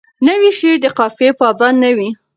نوی شعر د قافیه پابند نه وي.